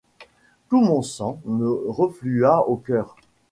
Tout mon sang me reflua au cœur.